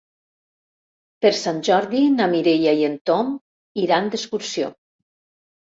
Per Sant Jordi na Mireia i en Tom iran d'excursió.